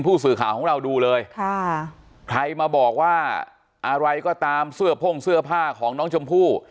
ผู้สื่อข่าวของเราดูเลยค่ะใครมาบอกว่าอะไรก็ตามเสื้อพ่งเสื้อผ้าของน้องชมพู่